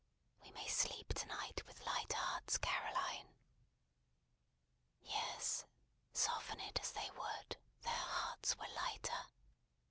We may sleep to night with light hearts, Caroline!" Yes. Soften it as they would, their hearts were lighter.